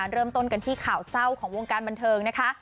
เริ่มต้นกันที่ข่าวเศร้าของวงการบันเทิงนะคะ